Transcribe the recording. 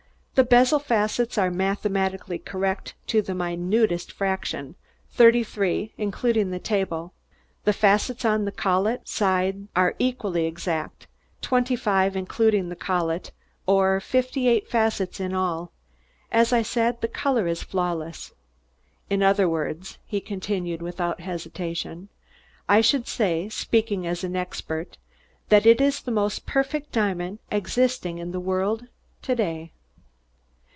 The bezel facets are mathematically correct to the minutest fraction thirty three, including the table. The facets on the collet side are equally exact twenty five, including the collet, or fifty eight facets in all. As I said, the color is flawless. In other words," he continued without hesitation, "I should say, speaking as an expert, that it is the most perfect diamond existing in the world to day."